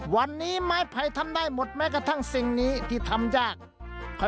วันนี้ไม้ไผ่ทำได้หมดแม้กระทั่งสิ่งนี้ที่ทำยาก